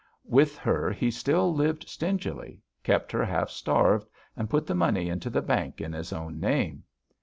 With her he still lived stingily, kept her half starved, and put the money into the bank in his own name.